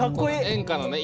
演歌のね